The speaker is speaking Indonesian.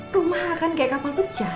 rumah akan kayak kapal pecah